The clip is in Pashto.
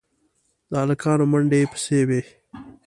د هلکانو منډې پسې وې.